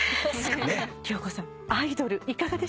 良子さん『アイドル』いかがでしたか？